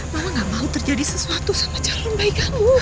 mama gak mau terjadi sesuatu sama calon bayi kamu